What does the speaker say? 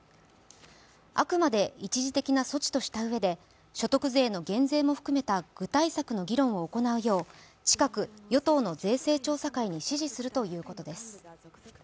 あくまで一時的な措置としたうえで所得税の減税も含めた具体策の議論を行うよう近く、与党の税制調査会に指示するということです。